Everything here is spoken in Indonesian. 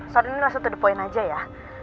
sorry ini langsung to the point aja ya